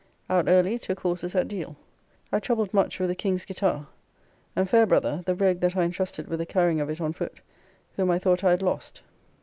Out early, took horses at Deale. I troubled much with the King's gittar, and Fairbrother, the rogue that I intrusted with the carrying of it on foot, whom I thought I had lost.